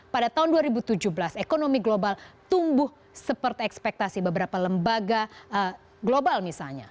pada tahun dua ribu tujuh belas ekonomi global tumbuh seperti ekspektasi beberapa lembaga global misalnya